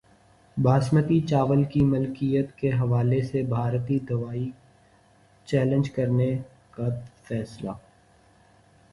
باسمتی چاول کی ملکیت کے حوالے سے بھارتی دعوی چیلنج کرنے کا فیصلہ